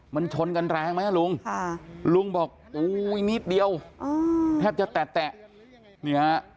มันชนกันแรงไหมลุงค่ะลุงบอกอู้ยนิดเดียวอ้าวแทบจะแตะแตะนี่ฮะ